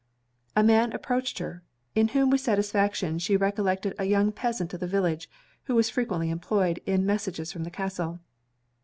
A man approached her, in whom with satisfaction she recollected a young peasant of the village, who was frequently employed in messages from the castle.